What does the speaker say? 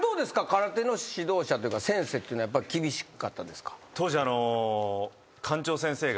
空手の指導者というか先生というのは厳しかったですか？